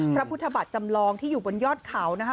พระพุทธบาทจำลองที่อยู่บนยอดเขานะคะ